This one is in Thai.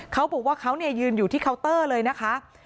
เขาบอกว่าเขายืนอยู่ที่เคาน์เตอร์เลยนะคะ